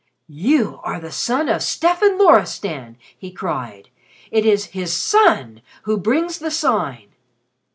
"You are the son of Stefan Loristan!" he cried. "It is his son who brings the Sign."